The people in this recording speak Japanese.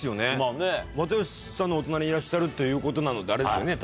又吉さんのお隣にいらっしゃるっていうことなのであれですよね